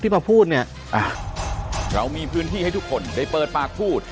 มาพูดเนี่ยเรามีพื้นที่ให้ทุกคนได้เปิดปากพูด